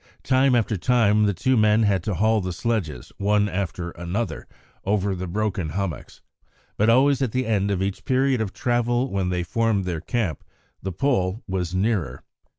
Time after time the two men had to haul the sledges, one after another, over the broken hummocks; but always at the end of each period of travel when they formed their camp, the Pole was nearer.